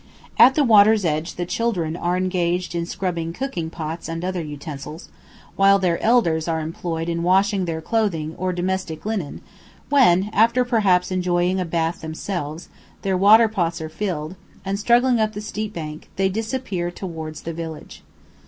At the water's edge the children are engaged in scrubbing cooking pots and other utensils, while their elders are employed in washing their clothing or domestic linen, when, after perhaps enjoying a bathe themselves, their water pots are filled, and, struggling up the steep bank, they disappear towards the village.